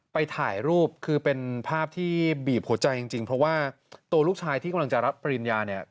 ไปถ่ายรูปคือเป็นภาพที่บีบหัวใจจริงเพราะว่าตัวลูกชายที่กำลังจะรับปริญญาเนี่ย